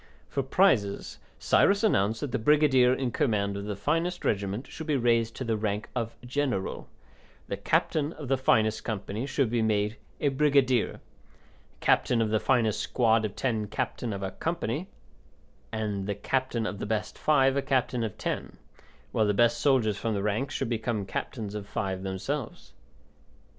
For prizes, Cyrus announced that the brigadier in command of the finest regiment should be raised to the rank of general, the captain of the finest company should be made a brigadier, the captain of the finest squad of ten captain of a company, and the captain of the best five a captain of ten, while the best soldiers from the ranks should become captains of five themselves.